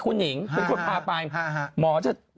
คุณหญิงโจมตีคุณพาไปหมอจะ